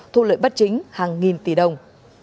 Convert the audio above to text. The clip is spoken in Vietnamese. thu lợi bất chính hàng nghìn tỷ đồng